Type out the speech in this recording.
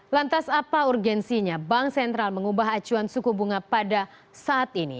lantas apa urgensinya bank sentral mengubah acuan suku bunga pada saat ini